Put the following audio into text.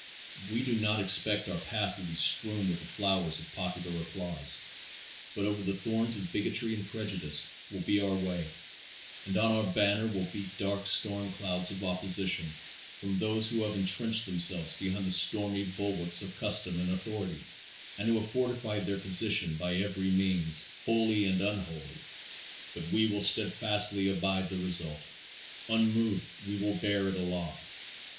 We do not expect our path will be strewn with the flowers of popular applause, but over the thorns of bigotry and prejudice will be our way, and on our banner will beat dark storm clouds of opposition from those who have entrenched themselves behind the stormy bulwarks of custom and authority, and who have fortified their position by every means, holy and unholy. But we will steadfastly abide the result. Unmoved we will bear it aloft.